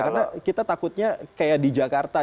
karena kita takutnya kayak di jakarta